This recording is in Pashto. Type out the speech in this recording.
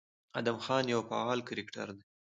ادم خان يو فعال کرکټر دى،